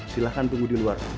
silakan tunggu di luar